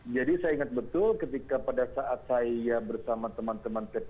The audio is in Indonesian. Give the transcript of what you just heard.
jadi saya ingat betul ketika pada saat saya bersama teman teman tpf